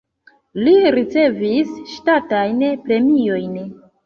Li ricevis ŝtatajn premiojn.